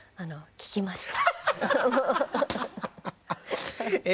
聞きました。